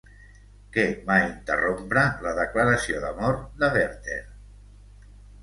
Què va interrompre la declaració d'amor de Werther?